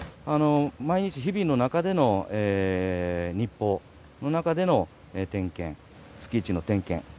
毎日、日々の中での日報の中での点検。